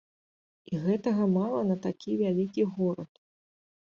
І гэтага мала на такі вялікі горад.